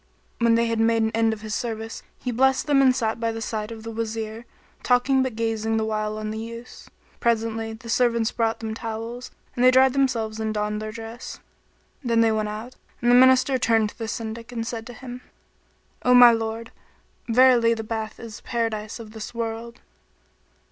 When they had made an end of his service, he blessed them and sat by the side of the Wazir, talking but gazing the while on the youths. Presently, the servants brought them towels, and they dried themselves and donned their dress. Then they went out, and the Minister turned to the Syndic and said to him, "O my lord! verily the bath is the Paradise[FN#21] of this world."